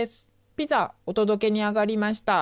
ピザお届けに上がりました。